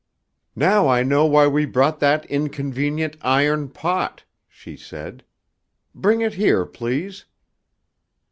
"Now I know why we brought that inconvenient iron pot," she said; "bring it here, please."